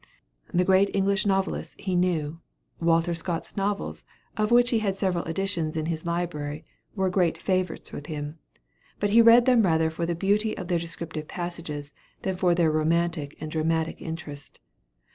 The great English novelists he knew; Walter Scott's novels, of which he had several editions in his library, were great favorites with him, but he read them rather for the beauty of their descriptive passages than for their romantic and dramatic interest.